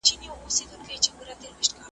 ما به څرنګه پر لار کې محتسب خانه خرابه `